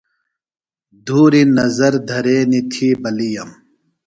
دھوری نظر دھرینیۡ تھی بلِییم۔